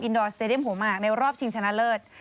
ดอลสเตดียมหัวมากในรอบชิงชนะเลิศ